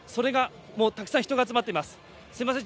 たくさん人が集まっています。